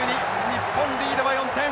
日本リードは４点！